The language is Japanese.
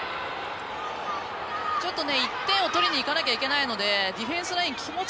１点を取りにいかないといけないのでディフェンスライン気持ち